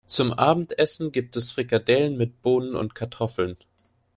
Zum Abendessen gibt es Frikadellen mit Bohnen und Kartoffeln.